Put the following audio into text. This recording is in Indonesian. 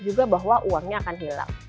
juga bahwa uangnya akan hilang